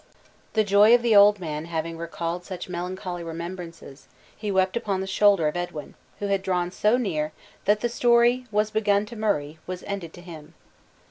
The joy of the old man having recalled such melancholy remembrances, he wept upon the shoulder of Edwin, who had drawn so near, that the story, was begun to Murray, was ended to him.